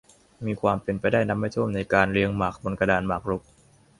มีความเป็นไปได้นับไม่ถ้วน ในการเรียงหมากบนกระดานหมากรุก